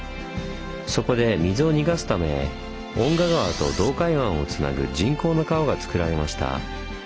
そこで水を逃がすため遠賀川と洞海湾をつなぐ人工の川がつくられました。